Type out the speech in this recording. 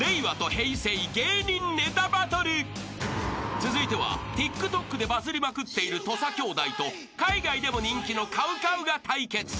［続いてはＴｉｋＴｏｋでバズりまくっている土佐兄弟と海外でも人気のＣＯＷＣＯＷが対決］